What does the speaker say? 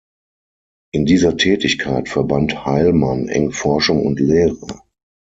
In dieser Tätigkeit verband Heilmann eng Forschung und Lehre.